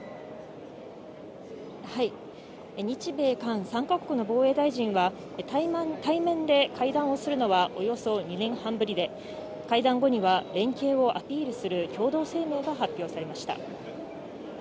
日米韓３か国の防衛大臣が対面で会談をするのは、およそ２年半ぶりで、会談後には、連携をアピールする共同声明が発表されました。